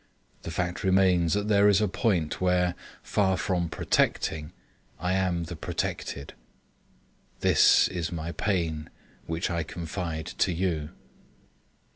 The fact remains that there is a point where, far from protecting, I am the protected. This is my pain which I confide to you.